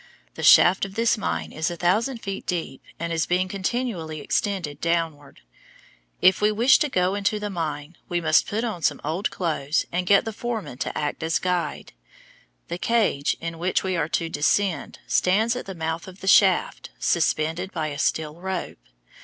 The shaft of this mine is a thousand feet deep, and is being continually extended downward. If we wish to go down into the mine, we must put on some old clothes and get the foreman to act as guide. The cage in which we are to descend stands at the mouth of the shaft, suspended by a steel rope.